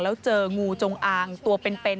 แล้วเจองูจงอางตัวเป็น